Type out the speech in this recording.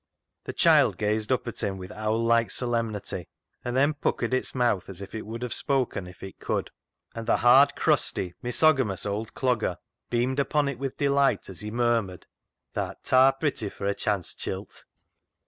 The child gazed up at him with owl like solemnity, and then puckered its mouth as if it would have spoken if it could, and the hard, crusty, misogamous old Clogger beamed upon it with delight as he murmured —" Bless thi, tha'rt ta pratty for a chance chilt."